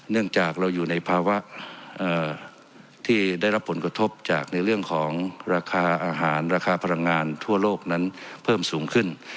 เนื่องจากเราอยู่ในภาวะที่ได้รับผลกระทบจากในเรื่องของราคาอาหารราคาพลังงานทั่วโลกนั้นเพิ่มสูงขึ้น